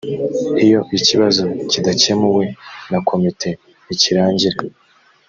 iyo ikibazo kidakemuwe na komite ntikirangira